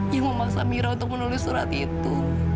dia memaksa mira untuk menulis surat itu